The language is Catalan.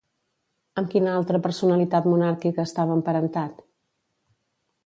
Amb quina altra personalitat monàrquica estava emparentat?